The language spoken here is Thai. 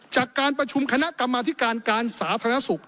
จากการประชุมคณะกรรมธิการการสาธารณสุข